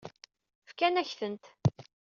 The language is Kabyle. Fkan-ak-tent.